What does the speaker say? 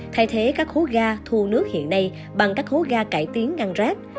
thay thế các hố ga thu nước hiện nay bằng các hố ga cải tiến ngăn rác